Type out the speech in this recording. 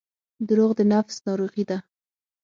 • دروغ د نفس ناروغي ده.